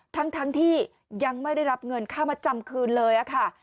ทั้งที่ยังไม่ได้รับเงินค่ามาจำคืนเลยค่ะ